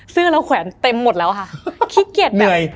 ซื่อเราแขวนเต็มหมดแล้วค่ะ